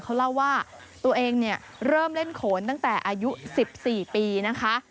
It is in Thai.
เขาเล่าว่าตัวเองเนี่ยเริ่มเล่นโขนตั้งแต่อายุ๑๔ปีนะคะ